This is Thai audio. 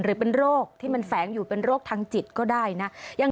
หรือเป็นโรคที่มันแฝงอยู่เป็นโรคทางจิตก็ได้นะ